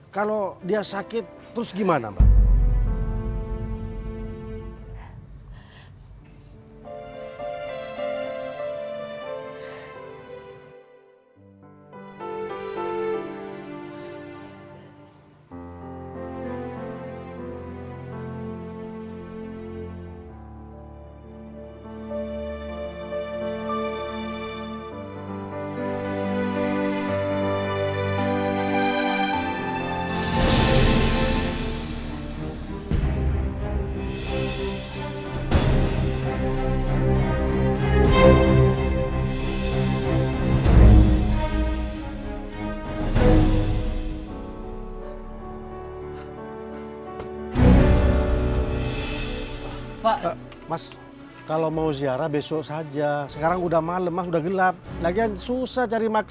kalau dia sakit terus gimana mbak